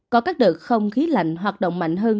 có các đợt không khí lạnh hoạt động mạnh hơn